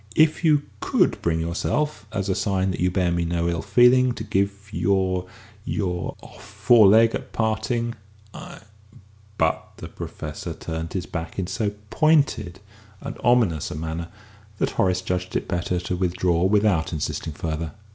If you could bring yourself, as a sign that you bear me no ill feeling, to give me your your off foreleg at parting, I " But the Professor turned his back in so pointed and ominous a manner that Horace judged it better to withdraw without insisting further.